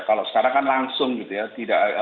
kalau sekarang kan langsung gitu ya